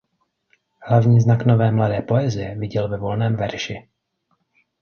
Hlavní znak nové mladé poezie viděl ve volném verši.